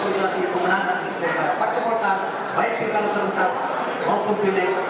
baik pilkada serentak maupun pilkada dan pilkada serentak